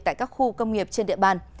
tại các khu công nghiệp trên địa bàn